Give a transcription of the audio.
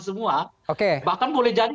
semua bahkan boleh jadi